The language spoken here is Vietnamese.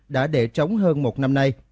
đã để trống hơn một năm nay